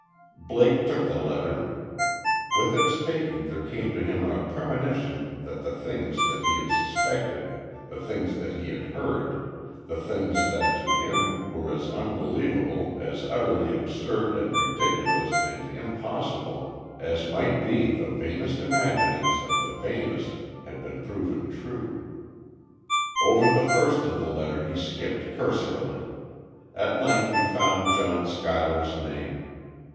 Blake took the letter. With its taking there came to him a premonition that the things that he had suspected the things that he had heard the things that to him were as unbelievable, as utterly absurd, and ridiculous, and impossible, as might be the vainest imaginings of the vainest, had been proven true. Over the first of the letter, he skipped cursorily.... At length he found John Schuyler's name.